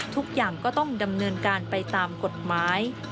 ทุกอย่างก็ต้องดำเนินการไปตามกฎหมาย